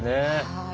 はい。